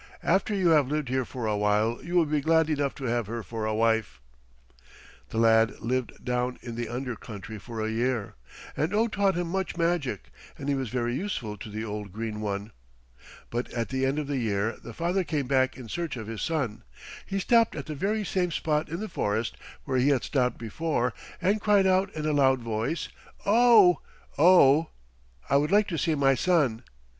"After you have lived here for a while you will be glad enough to have her for a wife." The lad lived down in the under country for a year, and Oh taught him much magic, and he was very useful to the old Green One. But at the end of the year the father came back in search of his son. He stopped at the very same spot in the forest where he had stopped before and cried out in a loud voice, "Oh! Oh! I would like to see my son."